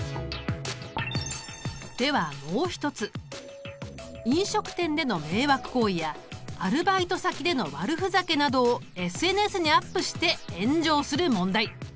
ではもう一つ飲食店での迷惑行為やアルバイト先での悪ふざけなどをＳＮＳにアップして炎上する問題。